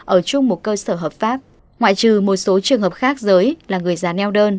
ở chung một cơ sở hợp pháp ngoại trừ một số trường hợp khác giới là người già neo đơn